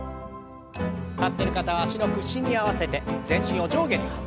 立ってる方は脚の屈伸に合わせて全身を上下に弾ませます。